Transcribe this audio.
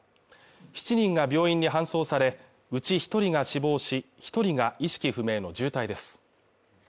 ７人が病院に搬送されうち一人が死亡し一人が意識不明の重体です